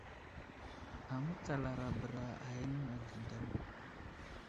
Amətsalara bəra a ghinaŋ age daw.